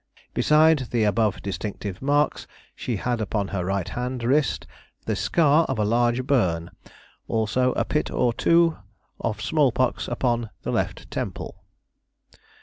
Beside the above distinctive marks, she had upon her right hand wrist the scar of a large burn; also a pit or two of smallpox upon the left temple."